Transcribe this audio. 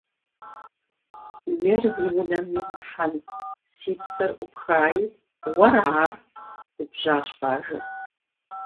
– Ер зи унэм имыхьэн, си псэр Ӏупхаи, уэра ар? – губжьащ Бажэр.